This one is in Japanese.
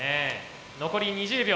残り２０秒。